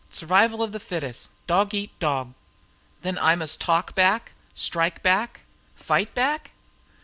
Survival of the fittest! Dog eat dog!" "Then I must talk back, strike back, fight back?"